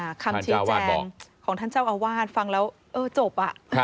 คำชี้แจงของท่านเจ้าอาวาสฟังแล้วเออจบอ่ะ